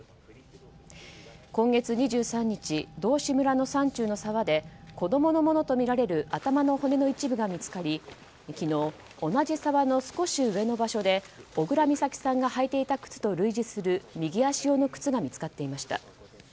今月２３日、道志村の山中の沢で子供のものとみられる頭の骨の一部が見つかり昨日、同じ沢の少し上の場所で小倉美咲さんが履いていた靴と類似する右足用の靴が見つかっていました。